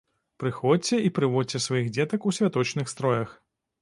Прыходзьце і прыводзьце сваіх дзетак у святочных строях.